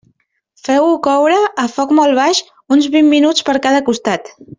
Feu-ho coure, a foc molt baix, uns vint minuts per cada costat.